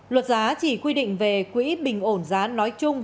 luật giá chỉ quy định về quỹ bình ổn giá nói chung